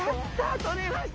とれました！